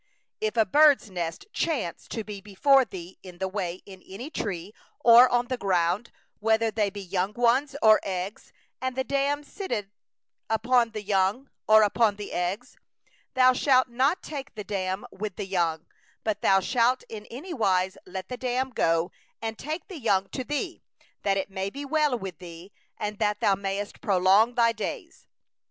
6If a bird's nest chance to be before thee in the way, in any tree or on the ground, with young ones or eggs, and the dam sitting upon the young, or upon the eggs, thou shalt not take the dam with the young; 7thou shalt in any wise let the dam go, but the young thou mayest take unto thyself; that it may be well with thee, and that thou mayest prolong thy days.